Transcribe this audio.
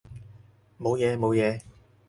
冇嘢冇嘢